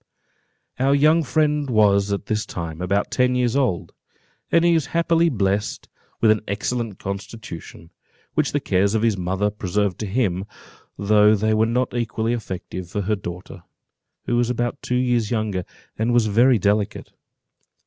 Our young friend was, at this time, about ten years old, and was happily blest with an excellent constitution, which the cares of his mother preserved to him, though they were not equally effective for her daughter, who was about two years younger, and was very delicate.